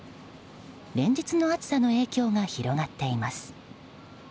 連日の暑さの影響が広がっています。